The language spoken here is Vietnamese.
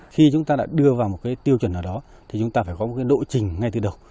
khi chúng ta lại đưa vào một cái tiêu chuẩn nào đó thì chúng ta phải có một độ trình ngay từ đầu